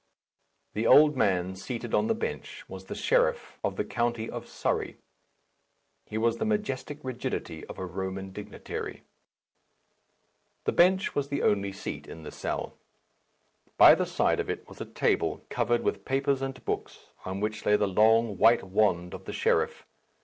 The old man seated on the bench was the sheriff of the county of Surrey. His was the majestic rigidity of a Roman dignitary. The bench was the only seat in the cell. By the side of it was a table covered with papers and books, on which lay the long, white wand of the sheriff.